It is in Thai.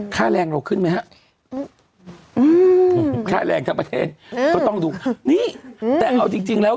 ค่าแรงเราขึ้นไหมฮะอืมค่าแรงทั้งประเทศก็ต้องดูนี่แต่เอาจริงจริงแล้ว